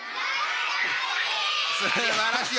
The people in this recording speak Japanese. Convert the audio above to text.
すばらしい！